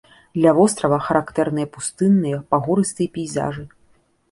Для вострава характэрныя пустынныя пагорыстыя пейзажы.